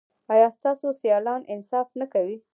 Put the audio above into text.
ایا ستاسو سیالان انصاف نه کوي؟